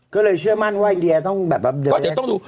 ก็เลยเชื่อมั่นว่าอินเดียต้องแบบเดียแรก